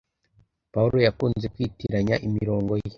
Pawulo yakunze kwitiranya imirongo ye